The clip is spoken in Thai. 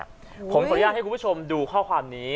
ผมขออนุญาตให้คุณผู้ชมดูข้อความนี้